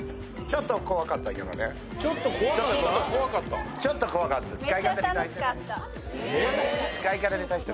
ちょっと怖かったちょっと怖かったです